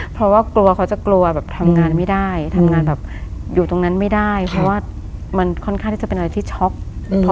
เพราะว่ากลัวเขาจะกลัวแบบทำงานไม่ได้ทำงานแบบอยู่ตรงนั้นไม่ได้เพราะว่ามันค่อนข้างที่จะเป็นอะไรที่ช็อกอืม